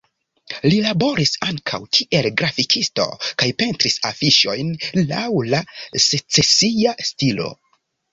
Li laboris ankaŭ kiel grafikisto kaj pentris afiŝojn laŭ la secesia stilo.